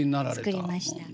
作りました。